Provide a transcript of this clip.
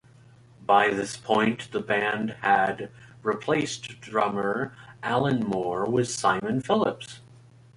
By this point the band had replaced drummer Alan Moore with Simon Phillips.